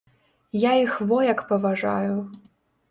Я іх во як паважаю!